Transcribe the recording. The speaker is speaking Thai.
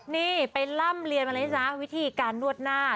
นี่ไปล่ำเรียนมาเลยนะจ๊ะวิธีการนวดหน้า